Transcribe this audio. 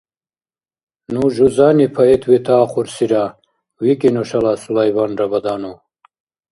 «Ну жузани поэт ветаахъурсира», — викӀи нушала Сулайбан Рабаданов.